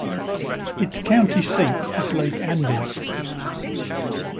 Its county seat is Lake Andes.